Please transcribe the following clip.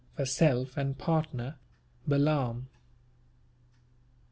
For self and partner. BALAAM."